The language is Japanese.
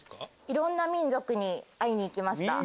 いろんな民族に会いに行きました。